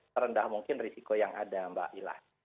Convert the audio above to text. terendah mungkin risiko yang ada mbak ilah